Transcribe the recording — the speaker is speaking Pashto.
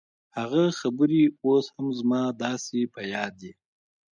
هغه خبرې اوس هم زما داسې په ياد دي.